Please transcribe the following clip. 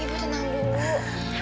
ibu tenang dulu bu